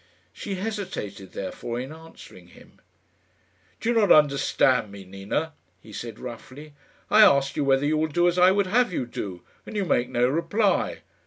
She hesitated, therefore, in answering him. "Do you not understand me, Nina?" he said roughly. "I asked you whether you will do as I would have you do, and you make no reply.